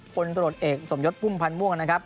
ตรวจเอกสมยศพุ่มพันธ์ม่วงนะครับ